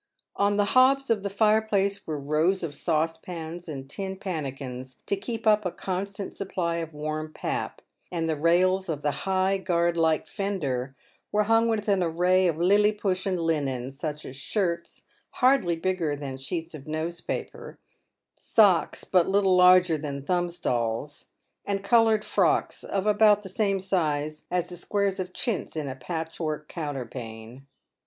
On the hobs of the fireplace were rows of saucepans and tin pannikins to keep up a constant supply of warm pap ; and the rails of the high, guard like fender were hung with an array of lilliputian linen, such as shirts, hardly bigger than sheets of note paper — socks, but little larger than thumb stalls — and coloured frocks, of about the same size as the squares of chintz in a patchwork counterpane.